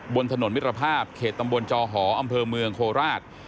บนถนนมิตรภาพเขตตำบลจอหออำเภอเมืองโคราช